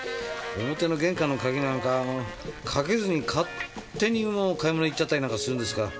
表の玄関のカギなんかかけずに勝手に買いもの行っちゃったりなんかするんですから。